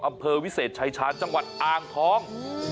อำเภอวิเศษชายชาญจังหวัดอ่างทอง